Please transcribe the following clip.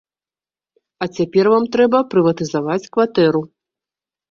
А цяпер вам трэба прыватызаваць кватэру.